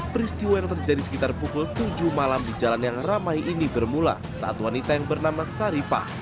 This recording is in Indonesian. peristiwa yang terjadi sekitar pukul tujuh malam di jalan yang ramai ini bermula saat wanita yang bernama saripah